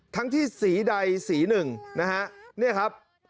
ทั้งที่สีใดสีหนึ่งนะครับ